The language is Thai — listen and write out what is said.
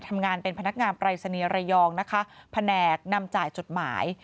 ทำงานเป็นพนักงานปรายศนีย์ระยองนะคะแผนกนำจ่ายจดหมาย